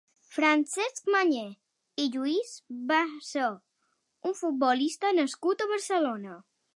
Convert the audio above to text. Francesc Mañé i Lluís va ser un futbolista nascut a Barcelona.